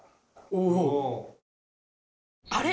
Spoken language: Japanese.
あれ？